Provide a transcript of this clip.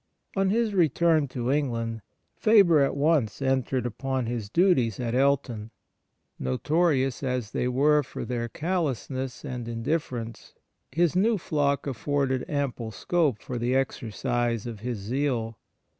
On his return to England, Faber at once entered upon his duties at Elton. Notorious as they were for their callousness and in difference, his new flock afforded ample scope for the exercise of his zeal.